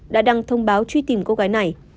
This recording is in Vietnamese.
đã đăng thông báo truy tìm cô gái này